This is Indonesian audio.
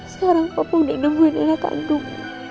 sekarang papa udah nemuin anak kandung